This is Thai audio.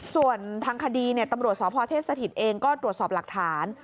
ส่วนทางคดีตำรวจสพเทศสถิตเองก็ตรวจสอบหลักฐาน